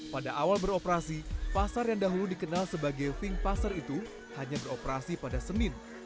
pada awal beroperasi pasar yang dahulu dikenal sebagai fink pasar itu hanya beroperasi pada senin